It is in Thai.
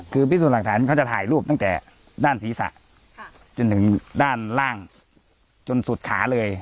คือพิสูจน์หลักฐานเขาจะถ่ายรูปตั้งแต่ด้านศีรษะจนถึงด้านล่างจนสุดขาเลย